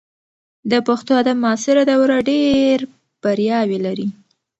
د پښتو ادب معاصره دوره ډېر بریاوې لري.